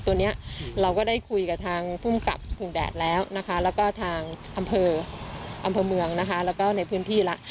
ตัวนี้เราก็ได้คุยกับทางภูมิกับถุงแดดแล้วนะคะแล้วก็ทางอำเภออำเภอเมืองนะคะแล้วก็ในพื้นที่แล้ว